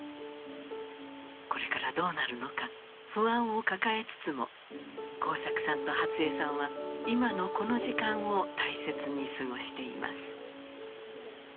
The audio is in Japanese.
これからどうなるのか不安を抱えつつも耕作さんと初江さんは今のこの時間を大切に過ごしています。